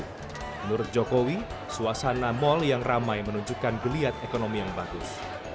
menurut jokowi suasana mal yang ramai menunjukkan geliat ekonomi yang bagus